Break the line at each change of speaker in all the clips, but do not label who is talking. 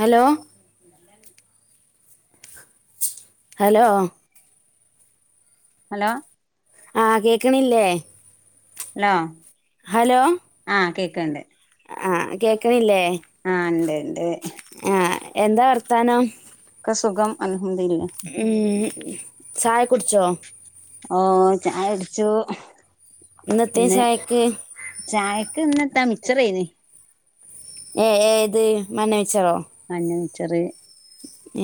Hello hello
hello
ആഹ് കേക്ക്ണില്ലേ?
Hello
hello
ആഹ് കേക്ക്ണ്ട്
ആഹ് കേക്ക്ണില്ലേ?
ആഹ് ഇണ്ട് ഇണ്ട്
ആഹ് എന്താ വർത്താനം?
ക്കെ സുഖം [unintelligible]
ഉം ചായ കുട്ച്ചോ?
ഓഹ് ചായ കുട്ച്ചു
ഇന്ന് എത്തെനി ചായക്ക്?
ചായക്ക് ഇന്നെത്താ മിച്ചറേനി
ഏഹ് ഏത് മഞ്ഞ മിച്ചറോ?
മഞ്ഞ മിച്ചറ്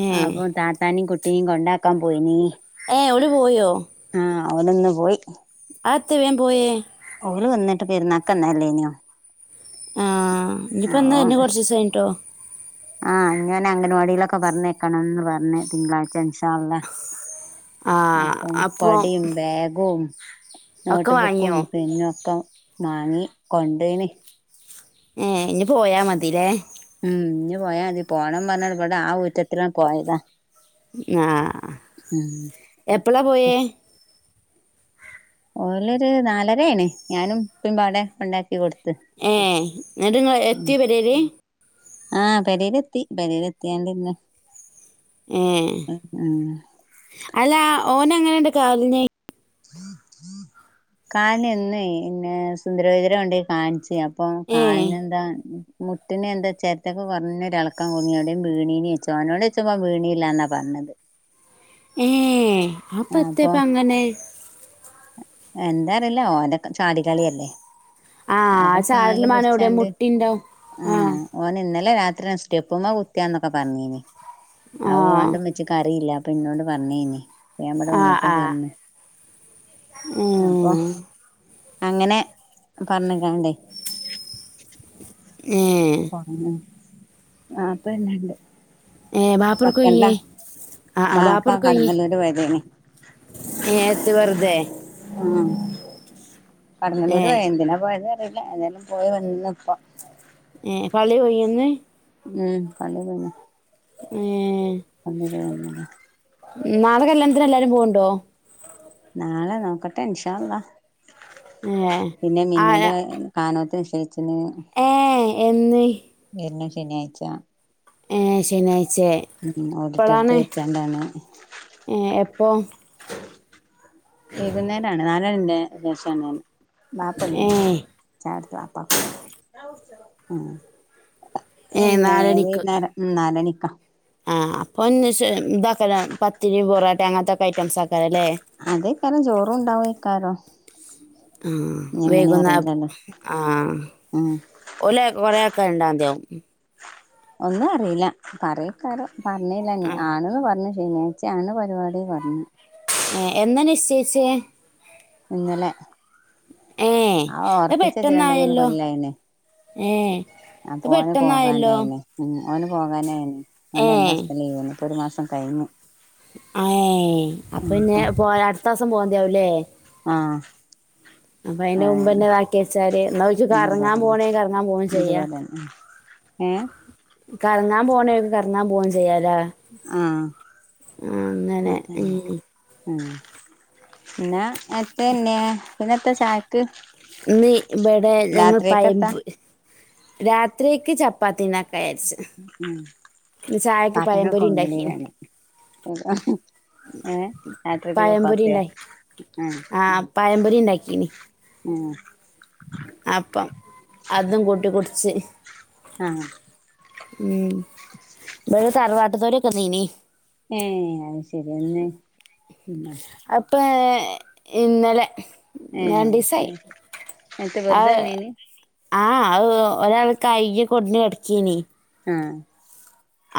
ഏ
അപ്പ താത്താനിം കുട്ടിനിം കൊണ്ടാക്കാം പോയിനീ
ഏഹ് ഓല് പോയോ?
ആഹ് ഓല്ന്ന് പോയി
[unintelligible] ത്തെ വേം പോയേ?
ഓല് വന്നിട്ട് പെരുന്നാൾക്കന്ന അല്ലേ ഇനോ
ആഹ് ഇനിയിപ്പോ എന്ന
അപ്പൊ
വന്ന കുറച്ച് ദിവസം കഴിഞ്ഞിട്ടോ
ആഹ് ഇങ്ങനെ അംഗൻവാടിയിലൊക്കെ പറഞ്ഞേക്കണംന്ന് പറഞ്ഞ് തിങ്കളാഴ്ച ഇൻഷാല്ല
ആ
അപ്പം
അപ്പോ
കൊടേം ബാഗും
ഒക്കെ
നോട്ട് ബുക്കും
വാങ്ങിയോ
പിന്നും ഒക്കെ വാങ്ങി കൊണ്ടനി
ഏഹ ഇനി പോയാ മതില്ലേ
ഉം ഇഞ് പോയാ മതി പോണം പറഞ്ഞാടവിടെ ആഹ ഊറ്റത്തിലാണ് പോയതാ.
ആഹ
ഉം
എപ്പളാ പോയേ?
ഓലൊര് നാലരയാണ് ഞാനും ഇപ്പപാടെ കൊണ്ടാക്കികൊടുത്തു.
ഏഹ എന്നിട്ട്ങ്ങള് എത്തിപെരേല്.
ആഹ പെരേലെത്തി പെരേലെത്തിആണ്ട് ഇര്ന്.
ഏഹ അല്ല ഓന അങ്ങനെണ്ട് കാലിന്.
കാല്ന് ഇന്ന് പിന്നെ സുന്ദരവൈദരെ കൊണ്ടോയി കാണിച്ച ഞാൻ.. ഇപ്പൊ
ഏ
കാലിനന്താ മുട്ടിനെന്താ ചെരടക്ക് കൊറഞ്ഞഞ്ളക്കം കുടുങ്ങിവിടടെയും വീണീന വെച്ചോ അവനോട വെച്ച വീണിയില്ലാന്നാ പറഞ്ഞത്.
ഏഹ
അപ്പൊ
അപ്പൊത്തെപ്പ അങ്ങനെ.
എന്താ അറിയില്ല ഓന്റെ ചാടികളിയല്ലേ?
ആ
അപ്പം
ചാരൽ
കാല്
മാന എവിടെ
കുടിച്ചാണ്ട്
മുട്ടിണ്ടാവും ആ
ആഹ. ഓൻ ഇന്നലെ രാത്രി സ്റ്റെപ്പ കുത്തിയന്നൊക്കെ പറഞ്ഞീന് ആഹ ഓണ്ട..
ആ
കുച്ച കറിയില്ല അപ്പൊ ഇന്നോട് പറഞ്ഞേനി. ഞാൻ ഇവിടെ
ആ
വന്നപ്പ
ആ
പറഞ്ഞ അപ്പൊ.
ഉം.
അങ്ങനെ പറഞ്ഞിങ്ങാണ്ട്.
ഏഹ്
വാപ്പ വര്ണ് ണ്ട്.
ഏ ബാപ്പർക്ക്
വെക്കണ്ടാ
കൊയ്യേ ആ ആ
വാപ്പാ കടന്നല്ലൂര് പോയതെന്.
ഏത്ത് വെറുതെ.
ആഹ
ഏ
കടന്നല്ലൂര് പോയ് എന്തിനാ പോയത് അറിയില്ല ഏതായാലും പോയി വന്നപ്പ.
ഏഹ പള്ളി പോയിന്ന്.
ഉം പ [unintelligible] ല്ല.
ഏഹ
അന്നതെ അന്നെ.
നാളെകല്യാണത്തിന് എല്ലാരും പോണ് ണ്ടോ?
നാളെ നോക്കട്ടെ ഇനഷാള്ളോ
ഏ
പിന്നെ
ആ
മിന്നുന്റെ കാര്യ. കാനോത്തി നിച്ചയിച്ചിന്.
ഏഹ് എന്ന്.
വര്ണ ശനിയാഴ്ച.
ഏഹ് ശനിയാഴ്ചേ.
ഉം ഓഡിട്ടോറിയടുത്ത് വെച്ചാണ്ടാണ്.
ഏഹ എപ്പൊ?
വൈകുന്നേരംണ് നാലരന്റെ ശേഷാണ്
ഏ
ബാപ്പന്ന്. ചാടുപ്പ
ഏ
എന്നെ വ നേരം. ഉം നാലണിക്കാ.
അപ്പൊന്ന് താക്കാരം പത്തിരി പൊറോട്ട അങ്ങനത്തെൊക്കെ ഐറ്റംസ് ആകാരംല്ലേ.
അതേ കാരം ചോറും ഉണ്ടാവക്കാരം..
ഉം വേകുന്ന
അറിയില്ലല്ലോ
ആഹ.
ഉം
ഒല കൊറയാക്കൻണ്ട അതിയാവും.
ഒന്നും അറിയില്ല പറയക്കാരോ പറഞ്ഞില്ല നീ ആണന്ന് പറഞ്ഞു. ശനിയാഴ്ച്ചാണ് പരിപാടി പറഞ്ഞത്
ഏ എന്നാ നിശ്ചയിച്ചേ?
ഇന്നലെ
ഏ
ആ
അത്
ഓർപ്പിച്ച വച്ച രണ്ട മൂന്ന്
പെട്ടെന്നായല്ലോ
കൊല്ലായിനെ..
ഏ അത്
അപ്പോ ഓന്
പെട്ടെന്നായല്ലോ
പോകാനായിന്ന ഉ ഓന പോകാനായിന്ന്. ന
ഏ
രണ്ടാസത്തെീവ്ന്നു ഇപ്പൊ ഒരു മാസം കഴിഞ്ഞു.
തമാസം പോക്കും ലേ.
ആഹ.
അപ്പൊ അതിന്റെ മുമ്പ തന്നെ ഇതാക്കി വെച്ചാര് എന്നാ ഓല്ക്ക്
ഇത്
കറങ്ങാൻ
പറയന്നെ
പോണേ കറങ്ങാൻ പോകേ ചെയ്യാ
[inaudible] ഏഹ്
കറങ്ങാൻ പോകണക്ക് കറങ്ങാൻ പോകൻ ചെയ്യാലേ
ആഹ്
ഉം അങ്ങനെ
അതന്നെ
ഉം
ഉം പിന്നെത്തെന്നെ പിന്നെത്താ ചായ
ഇന്ന് ഇബടെ ഞങ്ങൾ
രാത്രിക്കെത്താ
പയമ്പ് രാത്രിക്ക് ചപ്പാ പ്പാത്തിണ്ടാക്കരിച്ച്
ഉം
ഇന്ന് ചായക്ക് പയംപൊരി ഉണ്ടാക്കിനി
[unintelligible] ഏഹ് രാത്രക്
പഴംപൊരി
ചപ്പാത്തി
ഉണ്ടായി
ആഹ്
ആ പഴംപൊരി ഉണ്ടാക്കീന്
ഉം
അപ്പം അതും കൂട്ടി കുടിച്ച്
ആഹ്
ഉം ഇബടെ തറവാട്ടിത്തോരൊക്കെന്നീനി
ഏഹ് അത് ശരി എന്ന് ഇന്നോ
അപ്പ എഹ് ഇന്നലെ
എഹ്
രണ്ടീസായി
എത്തെ വാർതെവന്നെനി
ആഹ് ഒരാൾ കൈ കൊടിഞ് കടക്കീനി
ആഹ്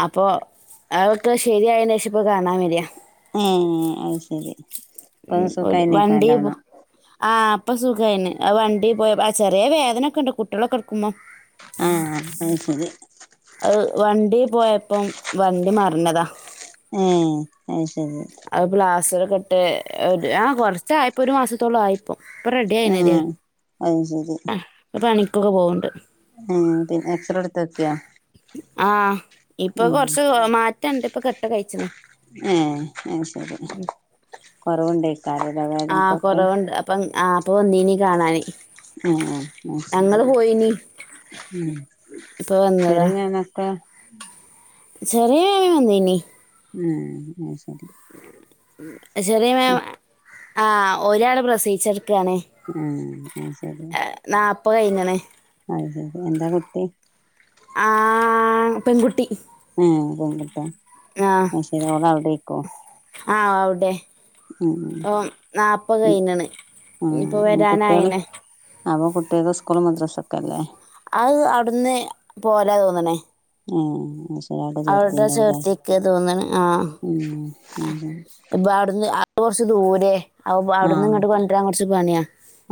അപ്പോ അവൾക്ക് ശരിയതിന് ശേഷം ഇപ്പോൾ കാണാൻ വരാ
എഹ് അയിശരി
ഉം ഒരു വണ്ടി- ആഹ് അപ്പൊ സുഖമായിന് വണ്ടി പോയി ആ ചെറിയ വേദനൊക്കെ ഇണ്ട് കുട്ടികളൊക്കെ എടുക്കുമ്പോ
ആഹ് അത് ശരി
അത് വണ്ടി പോയപ്പം വണ്ടി മറഞ്ഞതാ
എഹ് അത് ശരി
അത് പ്ലാസ്റ്ററൊക്ക ഇട്ട് ആ കുറച്ചായപ്പോരു മാസത്തോളം ആയിപ്പോം ഇപ്പൊ റെഡി ആയിനതിം
ആഹ് അത് ശരി
പ്പോ പണിക്കൊക്കെ പോവണ്ട്
ഉം പിന്നെ എക്സറേ എടുത്തക്കിയോ
ആഹ് ഇപ്പൊ കൊറച്ച് മാറ്റണ്ട് ഇപ്പൊ കെട്ടഴിച്ചണ്
എഹ് അത് ശരി കൊറവുണ്ട
ആഹ് കൊറവുണ്ട് അപ്പം ആഹ് അപ്പൊ വന്നീനി കാണാൻ
ആഹ് അഹ് ശരി ഉം
ഇപ്പൊ വന്നതാ
ശരി ഞാനൊക്കെ
ചെറിയാ വേ വന്നിനി
ഉം അത് ശരി
ചെറി മാം ആഹ് ഒരാള് പ്രസവിച്ചടക്കാൻ
ആഹ് അത് ശരി
നാപ്പത് കഴിഞ്ഞ്ണ്
അത് ശരി എന്താ കുട്ടി
ആ പെൺകുട്ടി
ഏഹ് പെൺക്കുട്ട്യാ അത് ശരി ഓള് അവ്ടേക്കും
ആഹ് ഓള് അവ്ടെ ഇപ്പം നാപ്പത്
ഉം
കഴിഞ്ഞ്ണ് ഇഞ്ഞ്പ്പൊ
ആഹ് കുട്ടികള്
വരാനായിണ്
അപ്പൊ കുട്ട്യേക്ക് സ്കൂളും മദ്രസൊക്കെ ഇല്ലേ
അത് അവ്ട്ന്ന് പോകലാ തോന്ന്ണ്
ആഹ് അത് ശെ
അവ്ടെ ചേർത്തേക്ക്യ തോന്ന്ണ് ആഹ്
ഉം അത്
ആഹ്
ശരി
ഇപ്പൊ അവ്ടുന്ന് അവ്ടെ കുറച്ച് ദൂരെ അവ്ടുന്ന്
ആഹ്
ഇങ്ങട്ട് കൊണ്ടരാൻ കൊറച്ച് പണ്യാ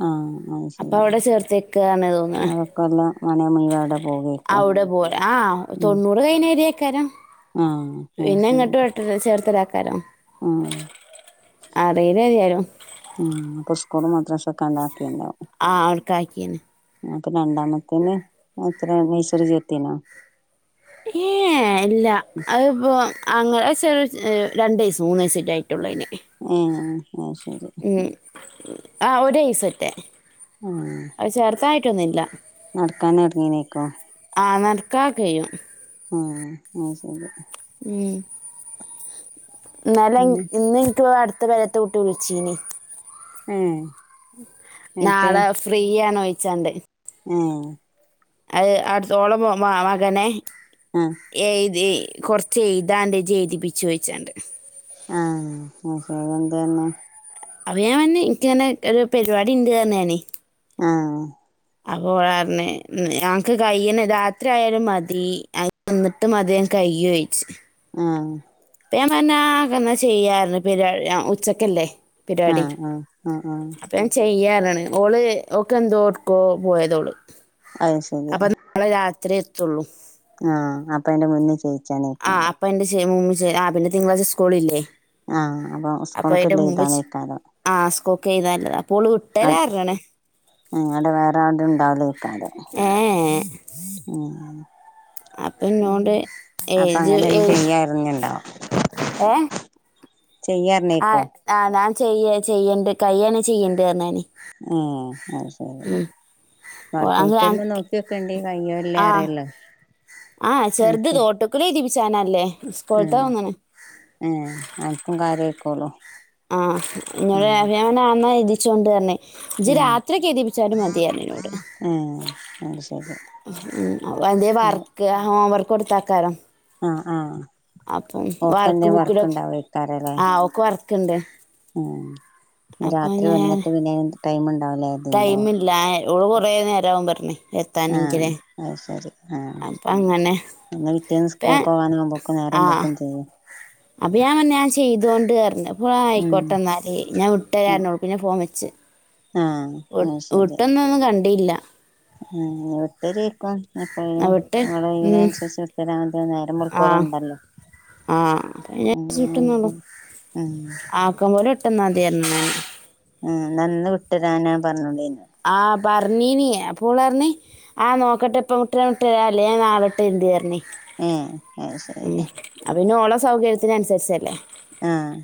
ആഹ് അത് ശെരി
ചേർത്തേക്കാണ് തോന്നണേ
അതൊക്കെല്ലാ സമയം മുയുവൻ അവ്ടെ പോവേ
അവ്ടെ പോവും ആഹ് തൊണ്ണൂ റ് കഴിഞ്ഞാ വെരേക്കാരം
ആഹ് അത്
പിന്നെ
ശരി
ഇങ്ങട്ട് വെട്ടല് ചേർത്തലേക്കാരം
ആഹ്
അറീല ഏതയാലും
ആഹ് അപ്പൊ സ്കൂളും മദ്രസൊക്കെ ആണ്ട് ആക്കിണ്ടാവും
ആഹ് അവ്ട്ക്കാക്കീണ്
അപ്പൊ രണ്ടാമത്തേനെ എത്ര നൈസറി ചേർത്തീണൊ?
ഏയ് ഇല്ല അത്പ്പോ അങ്ങനെ അത് ചെറ്യേ ഏ രണ്ട് വയസ്സൊ മൂന്ന് വയസ്സെറ്റേ ആയിട്ടൊള്ളൂ അയിന്
ഏഹ് അത് ശരി
ഉം ആഹ് ഒര് വയസെറ്റേ
ഏഹ്
അത് ചേർത്താനായിട്ടൊന്നും ഇല്ല.
നടക്കാന് എറങ്ങീണേക്കും
ആഹ് നടക്കാനൊക്കെ കയ്യും
ആഹ് അത് ശെരി.
ഉം ഇന്നലെ ഇൻ
പിന്നെ
ഇന്ന് ഇൻക്ക് അട്ത്ത പെരേത്തെ കുട്ടി വിളിച്ചീനി.
ഏഹ് നേരത്തെ
നാളെ ഫ്രീയാണോയ്ച്ചാണ്ട്
ഏഹ്
അത് അട്ത്ത ഓള മോ മകനെ
ആഹ്
എഴ്ത് കൊറച്ച് എഴ്താണ്ട് ഇജ്ജ് എഴ്തിപ്പിച്ചോയ്ച്ചാണ്ട്.
ആഹ് [unintelligible] എന്തേ പറഞ്ഞ്
അപ്പോ ഞാന് പറഞ്ഞ് ഇൻക്ക് ഇങ്ങനെ ഒരു പരിവാടിണ്ട് പറഞ്ഞ് ഞാനെ
ആഹ്.
അപ്പോ ഓള് പറഞ്ഞ് ഇന്നാ അനക്ക് കയ്യ്ണെ രാത്രി ആയാലും മതി അ വന്ന്ട്ട് മതി അത് കയ്യോ ചോയ്ച്ച്.
ആഹ്.
അപ്പം ഞാന് പറഞ്ഞ് ആഹ് ഇന്നാ ചെയ്യാ പറഞ്ഞ് പരിവാ ഉച്ചക്കല്ലേ പരിവാടി.
ആഹ് ആഹ് ആഹ് ആഹ്
അപ്പം ഞാൻ ചെയ്യാ പറഞ്ഞ്ണ് ഓള് ഓക്കെന്തോ ഒട്ക്കോ പോയതാ ഓള്.
അത് ശെരി.
നാളെ രാത്രി എത്തൊള്ളൂ
ആഹ് അപ്പ അതിന്റെ മുന്നേ ചേയിച്ചാനെക്കാരം
അപ്പ അതിന്റെ [unintelligible] ആ പിന്നെ തിങ്കളാഴ് സ്കൂളില്ലേ
ആഹ് അപ്പം സ്കൂള്ക്ക്ളെള എഴ്താനേക്കാരം
ആഹ് സ്കൂക്കെയ്തല്ലതാ അപ്പോള് വിട്ടേരർണ് ണ്
ആഹ് അവടെ വേറെ ആര്തു ണ്ടാവിലെകാരോ
ഏ
ആഹ്
അപ്പൊ
ഉം
എന്നോട്
അപ്പൊ
ഏജ്
അങ്ങനെന്ന് ചെയ്യാറങ്ങ് ണ്ടാവു
ഏഹ് ആ ആ ഞാൻ ചെയ്യ ചെയ്യണ്ട് കയ്യാനേ ചിയ്യണ്ട് ർഞ്ഞു ഞാൻ
ഏഹ് അത് ശെരി
ഓ അങ്
വർകൗട്ടന്നെ
അൻക്ക്
നോക്കിക്കെണ്ടി കയ്യേ ഇല്ലേ അറിയല്ലോ
ആഹ് ചെറ്ത് [unintelligible] [unintelligible]
ഉം ഏഹ് അൻക്കും കാര്യയിക്കോള്ളൂ
ആഹ് ഇന്നോട് പറഞ്ഞു ഞാന്നാ എഴുതിച്ചോണ്ട് പറഞ്ഞ് ഇജ്ജ്‌
ഉം
രാത്രി ഒകേ എയ്തിപ്പിച്ചാലും മതി പറഞ് ഇന്നോട്
ഏഹ് അത് ശരി
ഉം വല്ല്യ വർക്ക് ആ ഹോംവർക്ക് കൊടുത്താക്കാരം
ആഹ് ആഹ്
അപ്പം വർക്ക്
ഓക്കെന്തേ
ബുകിലൊ
ഉണ്ടാവേക്കാരല്ലേ
ആഹ് ഓക് വർക്ണ്ട്
ഉം രാത്രി
ഞാൻ
വന്നിട്ട് പിന്നെ ടൈംണ്ടാവുലേ
ടൈമില്ല ഓള് കൊറേ നേരാവും പറഞയ്
ആഹ്
എത്തണങ്കിലേ
അത് ശരി ആഹ്
അപ്പ അങ്ങനെ
പിന്നെ പിറ്റേന്ന്
ഇപ്പ
സ്കൊൾകൊവാനാവുബോക് നേരം വെക്കും ചെയ്യും
അപ്പൊ ഞാ പറഞ്ഞു ഞാ ചെയ്തോണ്ട് അർണ് അപ്പോ ആ
ഉം
ആയിക്കോട്ടെന്നാല് ഞാവിട്ടരാർഞ്ഞി ഓൾ പിന്നെ ഫോം വെച്ച്
ആഹ്
വി
അത് ശരി
വിട്ടൊന്നൊന്നും കണ്ടില്ല
ആഹ് വിട്ടേരേക്കും
ആ
എപ്പഴേലും
വിട്ട്
ഓളെ
ഉം.
ഒഴിവിനനുസരിച്ച് വിട്ടരാതന്നാ മ്മൾക്കോളണ്ടല്ലോ
ആഹ് അപ്പോ അയിനസ് വിട്ടന്നോളും
ഉം
ആക്ക പോലെ വിട്ടന്നാതിറഞ്ഞു ഞാൻ
ഉം ഞാന്ന് വിട്ടരനാ പറഞ്ടായിന്ന്
ആ പർഞ്ഞീനി അപ്പോളർഞ്ഞി ആ നോക്കട്ടെ ഇപ്പവിട്ടരാട്ട് അല്ലേ ഞാ നാളട്ടെര്ണ്ട് അർഞ്ഞി
ഉം അത് ശെരി
അപ്പൊ പിന്നെ ഓളെ സൗകര്യത്തിന ൻസരിച്ചല്ലേ
ആഹ്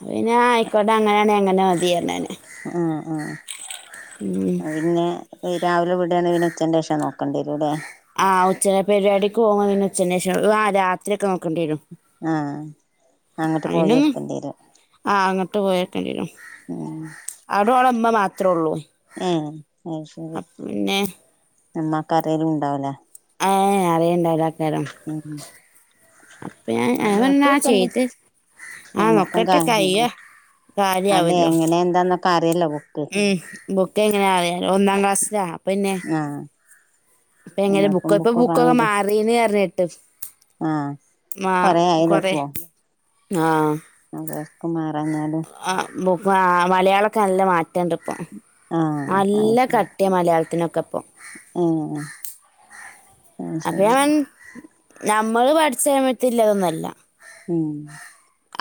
അപ്പൊ പിന്നെ ആ ആയിക്കോട്ടെ അങ്ങനെണ് അങ്ങനെ മതിഅർഞ്ഞി ഞാന്
ആഹ് ആഹ് അത് പിന്നെ ഹ് രാവിലെ വിടാണ് പിന്നെ ഉച്ചന്റെഷം നോക്കണ്ടേരൂലേ
ആഹ് ഉച്ചവരെ പരിവാടിക്ക് പോവുബ പിന്നെ ഉച്ചനേഷം ആ രാ ത്രി ഒക്കെ നോക്കണ്ടേരും
ആഹ് അങ്ങട്ട് പോയി
അതിനൊന്നും
എടുക്കേണ്ടി വരും
ആ ആങ്ങട്ട് പോയ നിക്കണ്ടേരും
ഉം
അവിടോളമ്മ മാത്രള്ളു
ഏഹ് അത് ശെരി ഇമ്മക്കാരെലുംണ്ടാവുലേ
ഏഹ് അറിയിണ്ടാരാക്കാരം
ഉം ഉം
അപ്പ ഞാൻ വന്ന ചെയ്ത് ആ
ഞമ്മക്കും
നോക്കട്ടെ ചെയ്യ
കാര്യമില്ല
കാര്യ
അല്ലെ
ആവല്ലോ
എങ്ങനെ എന്താന്നൊക്കെ അറിയല്ലോ ബുക്ക്
ഉം ബുക്ക് ക്കെങ്ങനെയെ അറിയ ഒന്നാം ക്ലാസ്സിലകണം പിന്നെ
ആഹ്
ഇപ്പ എങ്ങനെ
അയ്നൊപ്പം
ബുക്കപ്പൊ
ബുക്ക്
ബുക്കൊക്കെ മാറീന്ന് പറന്നേക്കേട്ടു
ആഹ
മാ കൊറേ ന്നാആ
അതൊക്ക മറാകാണ്ടു
ആ ബുക് ആ മലയാളൊക്കെ നല്ല മാറ്റാണ്ട് ഇപ്പം
ആഹ്
നല്ല കട്ടിയ മലയാൾത്തിനൊക്കെപ്പോ
ആ ആ
അപ്പ ഞ നമ്മള് പഠിച്ചസമയത്ത്ല്ലതൊന്നല്ല
ഉം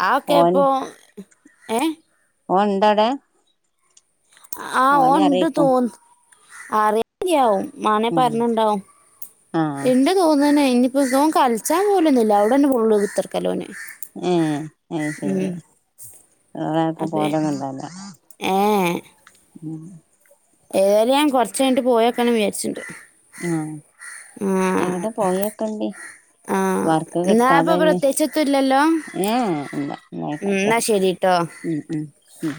ആഹൊക്കെപ്പൊ ഏഹ്
ഓൻണ്ടടേ
ആഹ ഓൻ ണ്ട്
അറിയിക്കും
തോന്ന് അറി യാവും മാനെ
ഉം
പർണ് ണ്ടാവും
ആഹ്
ഇണ്ട് തോന്ന്ന്. ഇനിയിപ്പോ തോ ണ്ട് തോന്നുണ് ഓൻ കളിച്ചാ പോലൊന്നുല്ല അവിടന്നെഫുള്ള് കുത്തർക്കലോന്
ഏ അഹ് ശെരി അഹകു
അപ്പെ
പോലകണ്ടല്ല...
ഏ
ഉം
ഏതായാലും ഞാൻ കൊറച്ച് കഴിഞ്ഞിട്ട് പോയക്കണം വിചാരിച്ചിണ്ട്
ആ
ആഹ്
എവിടെ പോയൊക്കേണ്ടി
ആഹ്
വർക്ക്
എന്നാ ഇപ്പൊ
കിട്ടാതെന്നെ
പ്രത്യേകിച്ചൊത്തുല്ലല്ലോ
ഏ എന്താ
ഉം എന്നാ ശരിട്ടോ
ഉം ഉം ഉം